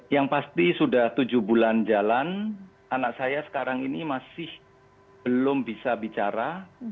yang pasti sudah tujuh bulan jalan anak saya sekarang ini masih belum bisa bicara